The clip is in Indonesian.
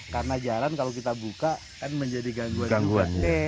karena jalan kalau kita buka kan menjadi gangguan